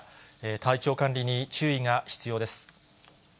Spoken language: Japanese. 体調管理に注意が必要です。